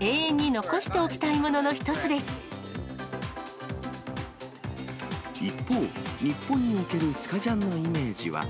永遠に残しておきたいものの一方、日本におけるスカジャンのイメージは。